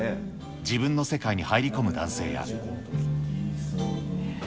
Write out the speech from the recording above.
自分の世界に入り込む男性や。